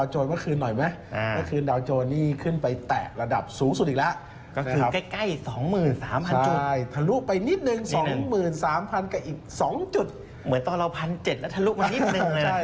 เหมือนตอนเรา๑๗๐๐แล้วทะลุมานิดนึงเลย